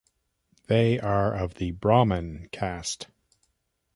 They are of the Brahmin caste.